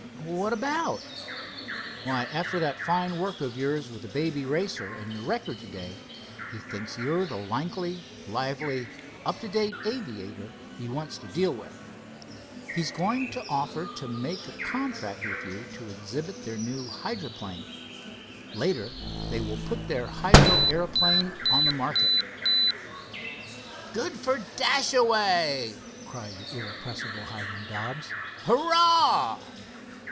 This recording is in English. "What about?" "Why, after that fine work of yours with the Baby Racer, and your record to day, he thinks you're the likely, lively, up to date aviator he wants to deal with. He is going to offer to make a contract with you to exhibit their new hydroplane. Later they will put their hydro aeroplane on the market." "Good for Dashaway!" cried the irrepressible Hiram Dobbs. "Hurrah!"